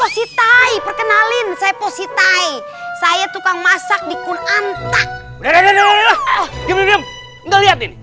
saya tukang masak di kunantak